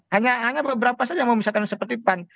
hanya beberapa saja yang mau misalkan seperti pan